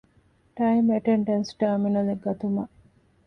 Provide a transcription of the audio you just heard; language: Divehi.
ޓައިމް އެޓެންޑެންސް ޓާރމިނަލެއް ގަތުމަށް